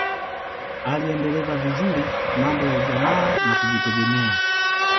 aliendeleza vizuri mambo ya ujamaa na kujitegemea